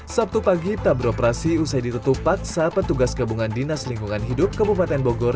sabtu pagi tabro prasidus editutu paksa petugas gabungan dinas lingkungan hidup kebupaten bogor